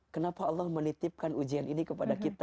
kenapa allah menitipkan ujian ini kepada kita